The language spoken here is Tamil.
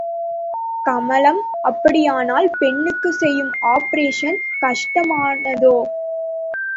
கமலம் அப்படியானால் பெண்ணுக்குச் செய்யும் ஆப்பரேஷன் கஷ்டமானதோ?